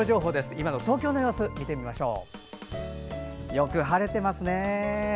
今の東京の様子を見てみましょう。